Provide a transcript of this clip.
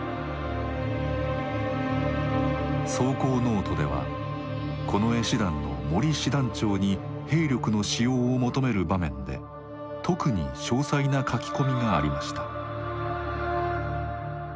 草稿ノートでは近衛師団の森師団長に兵力の使用を求める場面で特に詳細な書き込みがありました。